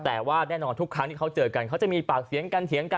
แต่ว่าแน่นอนทุกครั้งที่เขาเจอกันเขาจะมีปากเสียงกันเถียงกัน